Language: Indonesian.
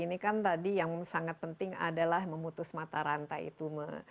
ini kan tadi yang sangat penting adalah memutus mata rantai itu